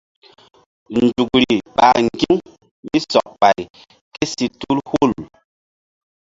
Nzukri ɓa ŋgi̧-u mí sɔk ɓay ké si tul hul.